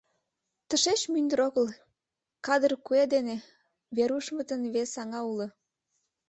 Тышеч мӱндыр огыл, кадыр куэ дене, Верушмытын вес аҥа уло.